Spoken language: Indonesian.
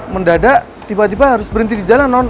mendadak tiba tiba harus berhenti di jalan non